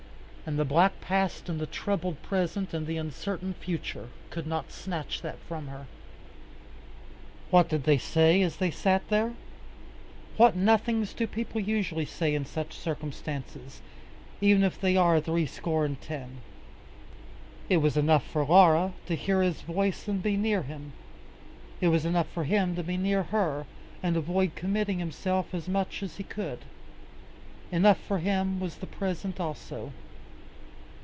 And the black past and the troubled present and the uncertain future could not snatch that from her. What did they say as they sat there? What nothings do people usually say in such circumstances, even if they are three score and ten? It was enough for Laura to hear his voice and be near him. It was enough for him to be near her, and avoid committing himself as much as he could. Enough for him was the present also.